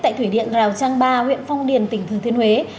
tại thủy điện rào trăng ba huyện phong điền tỉnh thường thiên huế